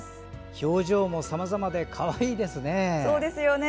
表情もさまざまでかわいいですね。